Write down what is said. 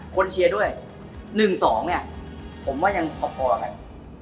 คนเชียร์ด้วยหนึ่งสองเนี้ยผมว่ายังพอพอแบบ